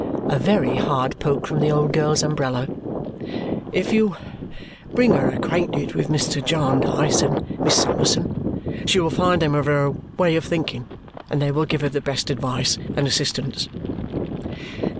A very hard poke from the old girl's umbrella. "If you'll bring her acquainted with Mr. Jarndyce and Miss Summerson, she will find them of her way of thinking, and they will give her the best advice and assistance."